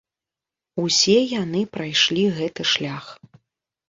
Усе яны прайшлі гэты шлях.